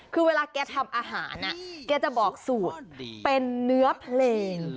คือเวลาแกทำอาหารแกจะบอกสูตรเป็นเนื้อเพลง